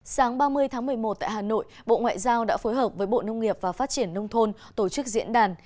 sáng ba mươi tháng một mươi một tại hà nội bộ ngoại giao đã phối hợp với bộ nông nghiệp và phát triển nông thôn tổ chức diễn đàn